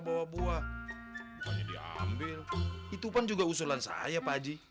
bukannya diambil itu pun juga usulan saya pak haji